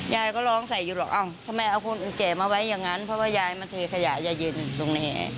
ยายก็ร้องใส่อยู่หรอกเอ้าทำไมเอาคนอื่นแก่มาไว้อย่างนั้นเพราะว่ายายมาเทขยะยายเย็นตรงนี้